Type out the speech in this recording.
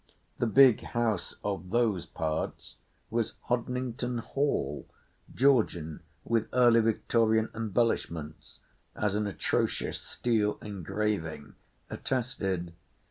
The big house of those parts was Hodnington Hall, Georgian with early Victorian embellishments, as an atrocious steel engraving attested.